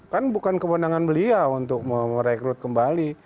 kan bukan kewenangan beliau untuk merekrut kembali